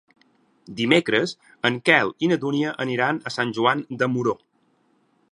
Dimecres en Quel i na Dúnia aniran a Sant Joan de Moró.